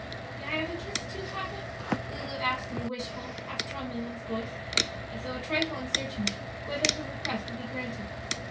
"May I have a kiss too, papa?" Lulu asked in a wishful, half tremulous voice, as though a trifle uncertain whether her request would be granted.